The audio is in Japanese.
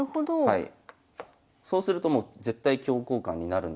はい。